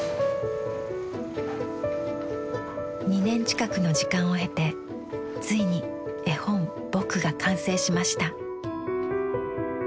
２年近くの時間を経てついに絵本「ぼく」が完成しました。